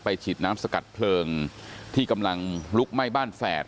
ฉีดน้ำสกัดเพลิงที่กำลังลุกไหม้บ้านแฝด